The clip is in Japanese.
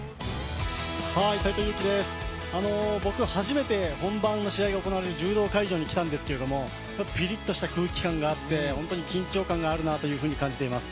僕、初めて本番の試合が行われる柔道会場に来たんですけどピリッとした空気感があって本当に緊張感があるなと感じています。